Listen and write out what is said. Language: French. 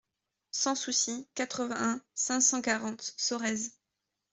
Sans Souci, quatre-vingt-un, cinq cent quarante Sorèze